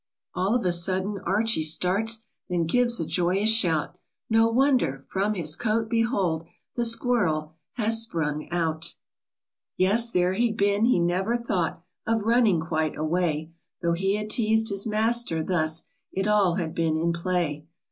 All of a sudden Archie starts, Then gives a joyous shout ; No wonder ! From his coat behold, The squirrel has sprung out ! 133 FRISKY , THE SQUIRREL. Vesl there he'd been, he never thought Of running quite away ; Though he had teased his master thus, It all had been in play.